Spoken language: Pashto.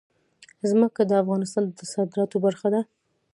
ځمکه د افغانستان د صادراتو برخه ده.